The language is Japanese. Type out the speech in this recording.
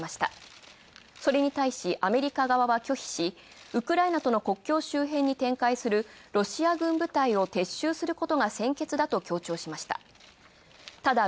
それに対し、アメリカ側は拒否し、ウクライナとの国境周辺に展開するロシア軍部隊を撤収することが先決だと強調しました。